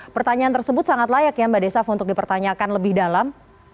pertanyaan tersebut sangat layak ya mbak desaf untuk dipertanyakan lebih dalam